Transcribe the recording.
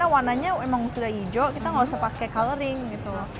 warnanya emang sudah hijau kita nggak usah pakai coloring gitu loh